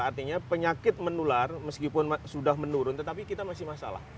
artinya penyakit menular meskipun sudah menurun tetapi kita masih masalah